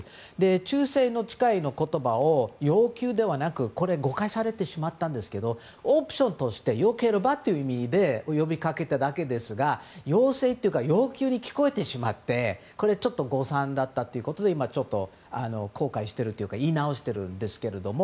忠誠の誓いの言葉を要求ではなくこれは誤解されてしまったんですがオプションとしてよける場という意味で呼びかけただけですが要請というか要求に聞こえてしまってちょっと誤算だったということで言い直しているんですが。